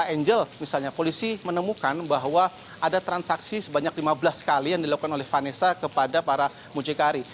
angel misalnya polisi menemukan bahwa ada transaksi sebanyak lima belas kali yang dilakukan oleh vanessa kepada para mucikari